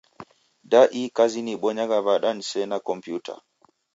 Da ihi kazi niibonyagha ya kiw'ada nisene kompiuta?